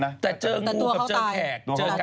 แล้วกิ้งเค้ากับฮ